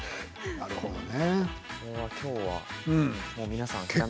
なるほどね。